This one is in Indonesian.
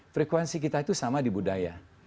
frekuensi kita itu sama di budaya